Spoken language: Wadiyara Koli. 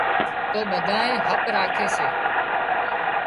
تو ٻڌانئي هپ راکي سي